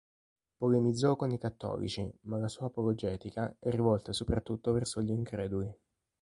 Polemizzò con i cattolici, ma la sua apologetica è rivolta soprattutto verso gli increduli.